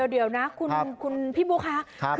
เดี๋ยวนะคุณพี่บุ๊คะ